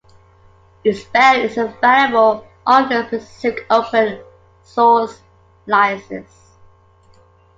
Ispell is available under a specific open-source license.